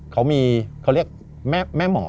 เขาเรียกแม่หมอ